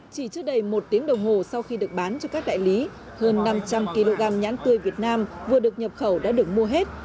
chỉ trước đầy một tiếng đồng hồ sau khi được bán cho các đại lý hơn năm trăm linh kg nhãn tươi việt nam vừa được nhập khẩu đã được mua hết